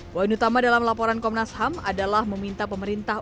poin utama dalam laporan komnas ham adalah meminta pemerintah